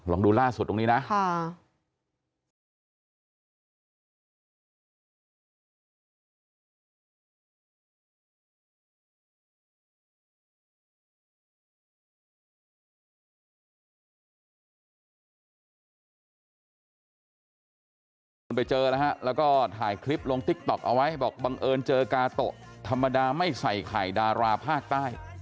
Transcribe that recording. ดูล่าสุดตรงนี้นะ